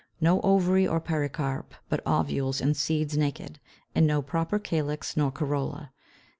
No ovary or pericarp, but ovules and seeds naked, and no proper calyx nor corolla.